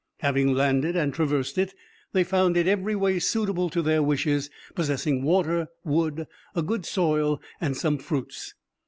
Having landed and traversed it, they found it every way suitable to their wishes, possessing water, wood, a good soil, and some fruits.